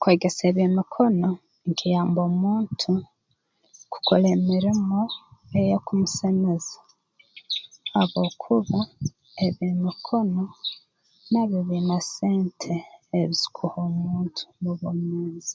Kwegesa eby'emikono nikiyamba omuntu kukora emirimo ey'ekumusemeza habwokuba eby'emikono nabyo biina sente ezi bikuha omuntu mu bwomeezi